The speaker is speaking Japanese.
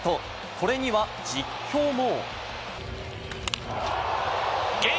これには実況も。